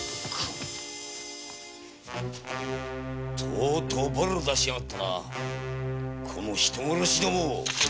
とうとうボロを出しやがったな人殺しども！